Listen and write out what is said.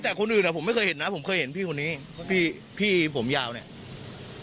แต่คนอื่นผมไม่เคยเห็นนะผมเคยเห็นพี่คนนี้พี่ผมยาวเนี่ย